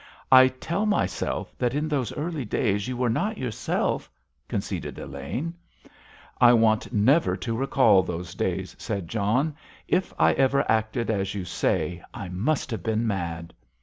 "I tell myself that, in those early days, you were not yourself," conceded Elaine. "I want never to recall those days," said John. "If I ever acted as you say, I must have been mad."